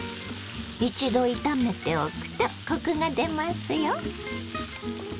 一度炒めておくとコクが出ますよ。